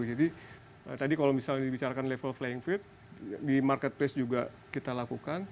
jadi tadi kalau misalnya dibicarakan level playing field di marketplace juga kita lakukan